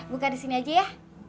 buka di sini aja ya